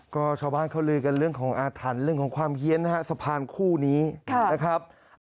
ก็ชาวบ้านเขาลือกันเรื่องของอาถรรพ์เรื่องของความเฮียนนะฮะสะพานคู่นี้นะครับ